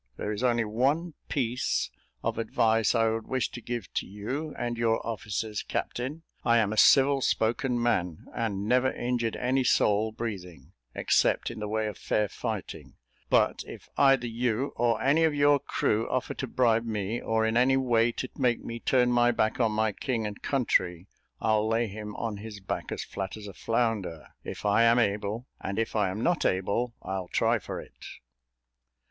There is only one piece of advice I would wish to give to you and your officers, captain. I am a civil spoken man, and never injured any soul breathing, except in the way of fair fighting; but if either you, or any of your crew, offer to bribe me, or in any way to make me turn my back on my king and country, I'll lay him on his back as flat as a flounder, if I am able, and if I am not able, I'll try for it."